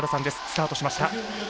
スタートしました。